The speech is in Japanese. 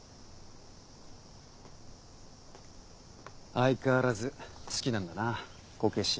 相変わらず好きなんだなこけし。